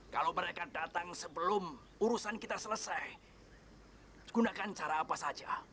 kalau mereka datang sebelum urusan kita selesai gunakan cara apa saja